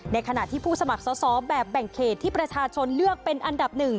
ขณะที่ผู้สมัครสอบแบบแบ่งเขตที่ประชาชนเลือกเป็นอันดับ๑